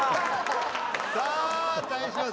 さあ対します